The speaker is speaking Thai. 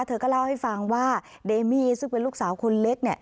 เธอก็เล่าให้ฟังว่าเดมี่ซึ่งเป็นลูกสาวคนเล็กเนี่ย